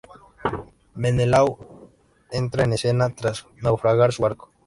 Menelao entra en escena tras naufragar su barco.